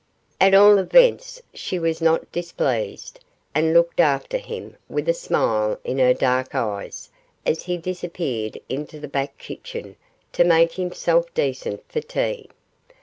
At all events she was not displeased, and looked after him with a smile in her dark eyes as he disappeared into the back kitchen to make himself decent for tea.